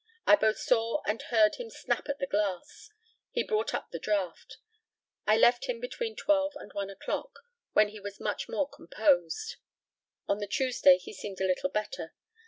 I both saw and heard him snap at the glass. He brought up the draft. I left him between twelve and one o'clock, when he was much more composed. On the Tuesday he seemed a little better.